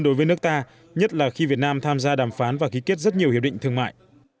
đối với nước ta nhất là khi việt nam tham gia đàm phán và ký kết rất nhiều hiệp định thương mại